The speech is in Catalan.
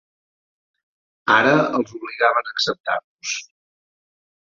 Ara els obligaven a acceptar-los